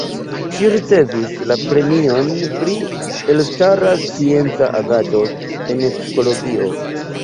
Ŝi ricevis la premion pri elstara scienca agado en Psikologio.